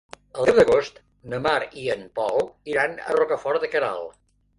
El deu d'agost na Mar i en Pol iran a Rocafort de Queralt.